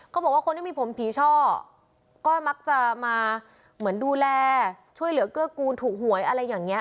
คนที่มีผมผีช่อก็มักจะมาเหมือนดูแลช่วยเหลือเกื้อกูลถูกหวยอะไรอย่างนี้